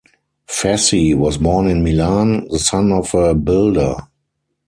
Fassi was born in Milan, the son of a builder.